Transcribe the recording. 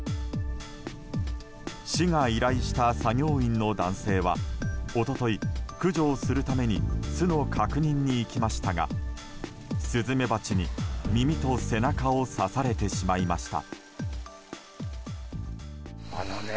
市が依頼した作業員の男性は一昨日、駆除するために巣の確認に行きましたがスズメバチに耳と背中を刺されてしまいました。